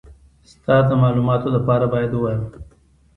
ستا د مالوماتو دپاره بايد ووايم.